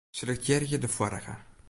Selektearje de foarige.